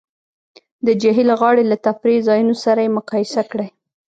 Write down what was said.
د جهیل غاړې له تفریح ځایونو سره یې مقایسه کړئ